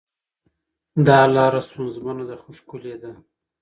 دا لاره ستونزمنه ده خو ښکلې ده.